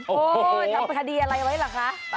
โอ้โหทำคดีอะไรไว้หรือคะ